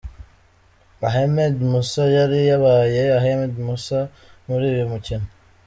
Ahmed Musa yari yabaye Ahmed Musa muri uyu mukino.